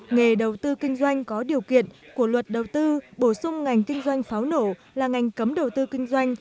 nghề đầu tư kinh doanh có điều kiện của luật đầu tư bổ sung ngành kinh doanh pháo nổ là ngành cấm đầu tư kinh doanh